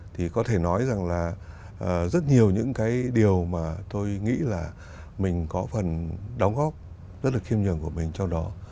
thì có thể nói rằng là rất nhiều những cái điều mà tôi nghĩ là mình có phần đóng góp rất là khiêm nhường của mình trong đó